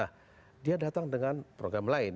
nah dia datang dengan program lain